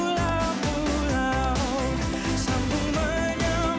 dari sabang sampai merauke